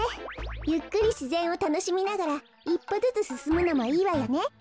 ゆっくりしぜんをたのしみながらいっぽずつすすむのもいいわよね。